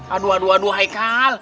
aduh aduh aduh hai kal